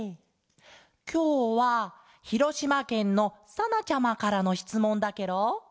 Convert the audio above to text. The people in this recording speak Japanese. きょうはひろしまけんのさなちゃまからのしつもんだケロ。